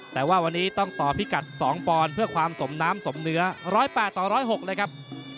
แต่ว่าวันนี้ต้องต่อพิกัด๒ปอนด์เพื่อความสมน้ำสมเนื้อ๑๐๘ต่อ๑๐๖เลยครับ